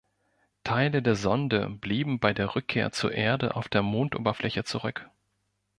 Teile der Sonde blieben bei der Rückkehr zur Erde auf der Mondoberfläche zurück.